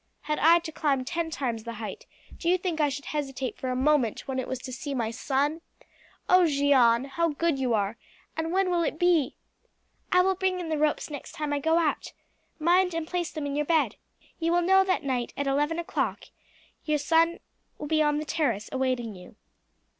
"Had I to climb ten times the height, do you think I should hesitate for a moment when it was to see my son? Oh, Jeanne, how good you are! And when will it be?" "I will bring in the ropes next time I go out. Mind and place them in your bed. You will know that that night at eleven o'clock your son will be on the terrace awaiting you.